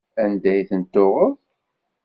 Anda ay tent-tuɣeḍ?